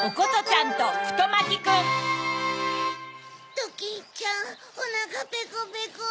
ドキンちゃんおなかペコペコ。